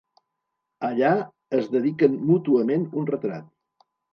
Allà, es dediquen mútuament un retrat.